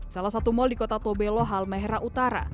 salah satu mal di kota tobe lohal mehra utara